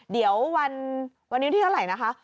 เดี๋ยววันนี้วันที่เท่าไหร่นะคะ